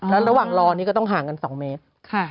แล้วระหว่างรอนี่ก็ต้องห่างกัน๒เมตร